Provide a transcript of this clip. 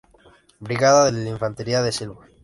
Brigada de Infantería de Selva.